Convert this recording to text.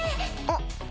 あっ。